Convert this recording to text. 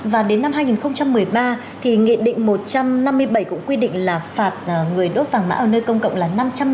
và đến năm hai nghìn một mươi ba thì nghị định một trăm năm mươi bảy cũng quy định là phạt người đốt vàng mã ở nơi công cộng là năm trăm năm mươi